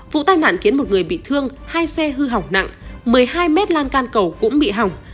vụ tai nạn khiến một người bị thương hai xe hư hỏng nặng một mươi hai mét lan can cầu cũng bị hỏng